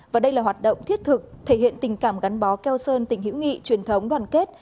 và đây là hoạt động thiết thực thể hiện tình cảm gắn bó keo sơn tỉnh hữu nghị truyền thống đoàn kết